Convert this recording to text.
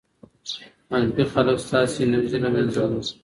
منفي خلک ستاسې انرژي له منځه وړي.